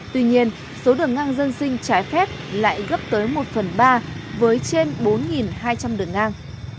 tuy nhiên số đường ngang dân sinh trái phép lại gấp tới một phần ba với trên bốn hai trăm linh đường ngang